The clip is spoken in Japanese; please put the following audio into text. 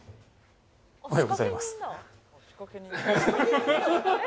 おはようございます。